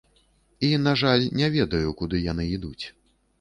І, на жаль, не ведаю, куды яны ідуць.